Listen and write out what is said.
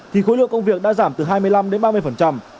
thì khối lượng công việc đã giảm từ hai mươi năm đến ba mươi